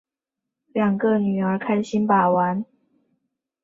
两个女儿开心把玩